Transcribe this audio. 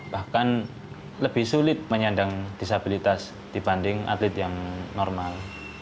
bahkan lebih sulit menyandang disabilitas dibanding atlet yang normal